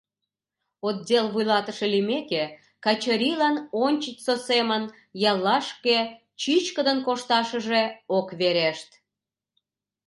Отдел вуйлатыше лиймеке Качырийлан ончычсо семын яллашке чӱчкыдын кошташыже ок верешт.